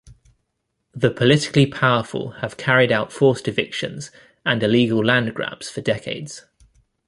The politically powerful have carried out forced evictions and illegal land grabs for decades.